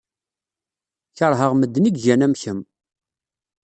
Keṛheɣ medden ay igan am kemm.